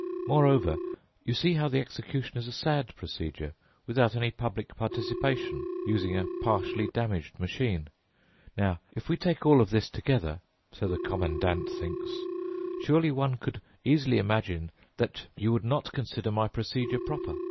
Moreover, you see how the execution is a sad procedure, without any public participation, using a partially damaged machine. Now, if we take all this together (so the Commandant thinks) surely one could easily imagine that that you would not consider my procedure proper?